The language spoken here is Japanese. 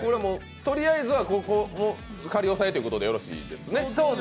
とりあえずはここを仮押さえということでよろしいですね？